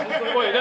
何？